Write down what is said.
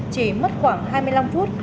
chỉ mất khoảng hai mươi năm phút